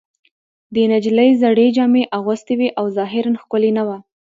دې نجلۍ زړې جامې اغوستې وې او ظاهراً ښکلې نه وه